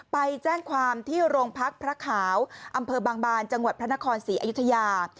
ไปแจ้งความที่โรงพักพระขาวอำเภอบางบานจังหวัดพระนครศรีอยุธยา